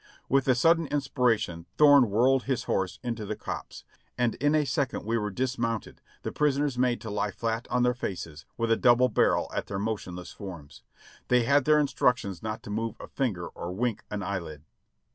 With a sudden inspir ation Thorne whirled his horse into the copse, and in a second we were dismounted, the prisoners made to lie flat on their faces, with a double barrel at their motionless forms. They had their instructions not to move a finger nor wink an eyelid.